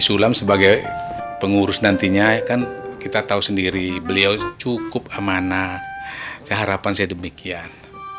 sulam sebagai pengurus nantinya akan kita tahu sendiri beliau cukup amanah seharapan saya demikian